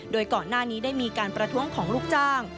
โดยก่อนหน้านี้ได้มีการประท้วงของลูกจ้าง